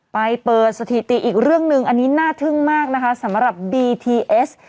ไปเปิดสถิติอีกเรื่องหนึ่งอันนี้น่าทึ่งมากนะคะสำหรับบีทีเอส